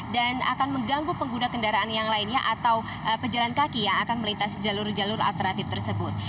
dan akan mengganggu pengguna kendaraan yang lainnya atau pejalan kaki yang akan melintas jalur jalur alternatif tersebut